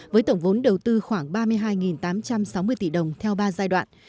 với tổng vốn đầu tư khoảng ba mươi hai tám trăm sáu mươi tỷ đồng theo ba giai đoạn